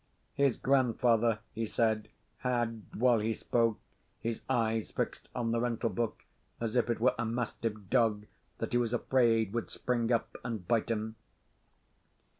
His grandfather, he said, had while he spoke, his eye fixed on the rental book, as if it were a mastiff dog that he was afraid would spring up and bite him.)